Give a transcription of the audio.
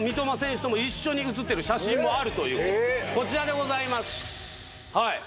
こちらでございます。